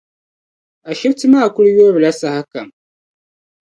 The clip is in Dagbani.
Ashibiti maa kuli yoorila saha kam.